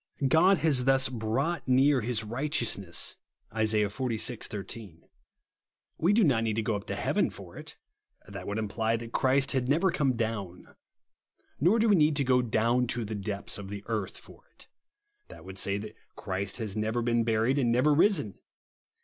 God has thus " brought near his right eousness," (Isa xlvi. 13). We do not need to go up to heaven for it ; that would im ply that Christ had never come down. Nor do we need to go down to the depths of the earth for it ; that would say that Christ had never been buried and never risen.